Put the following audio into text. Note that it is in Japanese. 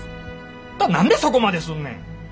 あんた何でそこまですんねん。